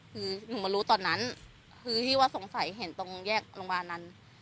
คือหนูมารู้ตอนนั้นคือที่ว่าสงสัยเห็นตรงแยกโรงพยาบาลนั้น